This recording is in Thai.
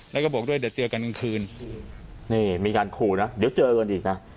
แล้วก็บอกด้วยเดี๋ยวเจอกันกลางคืนนี่มีการขู่นะเดี๋ยวเจอกันอีกนะ